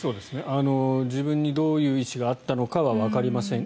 自分にどういう意思があったのかはわかりません。